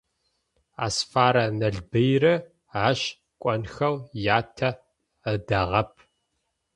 Асфаррэ Налбыйрэ ащ кӀонхэу ятэ ыдагъэп.